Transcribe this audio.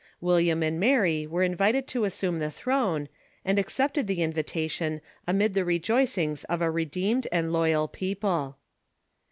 William and Mary were in ENGLISH DEISM 307 vited to assume the throne, and accepted the invitation amid the rejoicings of a redeemed and loyal people.